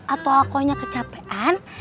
atau akonya kecapean